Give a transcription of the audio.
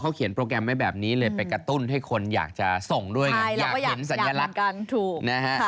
เขียนโปรแกรมไว้แบบนี้เลยไปกระตุ้นให้คนอยากจะส่งด้วยไงอยากเห็นสัญลักษณ์ถูกนะฮะ